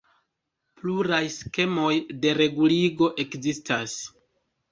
Pluraj skemoj de reguligo ekzistas.